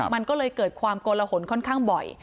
มันก็เลยเกิดความโกลหนค่อนข้างบ่อย